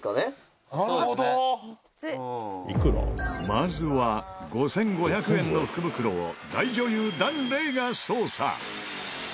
まずは５５００円の福袋を大女優檀れいが捜査！